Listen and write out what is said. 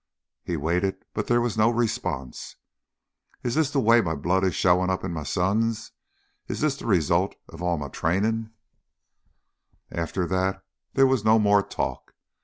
He waited, but there was no response. "Is this the way my blood is showin' up in my sons? Is this the result of all my trainin'?" After that there was no more talk.